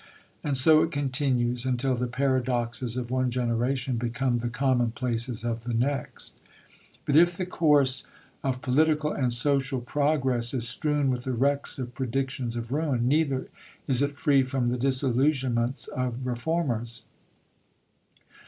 And so it continues until the paradoxes of one generation become the commonplaces of the next. But if the course of political and social progress is strewn with the wrecks of predictions of ruin, neither is it free from the disillusionments of reformers.